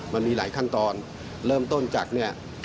มันมีหลายขั้นตอนเริ่มต้นจากเนี่ย